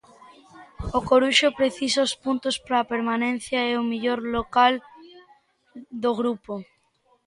O Coruxo precisa os puntos pra permanencia e é o mellor local do grupo.